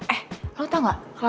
eh lo tau gak